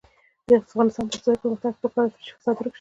د افغانستان د اقتصادي پرمختګ لپاره پکار ده چې فساد ورک شي.